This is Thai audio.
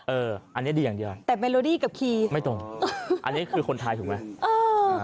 เอออันนี้ดีอย่างเดียวแต่เมโลดี้กับคีย์ไม่ตรงอันนี้คือคนไทยถูกไหมเออ